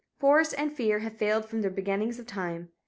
Force and fear have failed from the beginning of time.